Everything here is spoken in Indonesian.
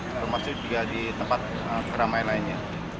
termasuk juga di tempat keramaian lainnya